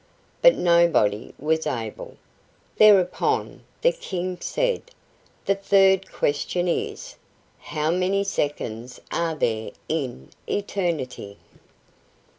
But nobody was able. Thereupon the King said: "The third question is: How many seconds are there in eternity?"